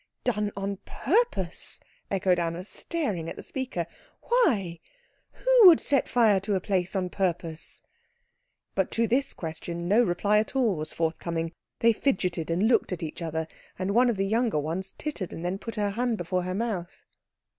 "Done on purpose!" echoed Anna, staring at the speaker. "Why, who would set fire to a place on purpose?" But to this question no reply at all was forthcoming. They fidgeted and looked at each other, and one of the younger ones tittered and then put her hand before her mouth.